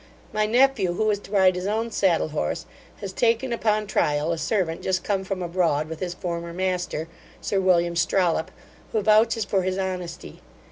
My nephew, who is to ride his own saddle horse, has taken, upon trial, a servant just come from abroad with his former master, Sir William Strollop, who vouches for his honesty.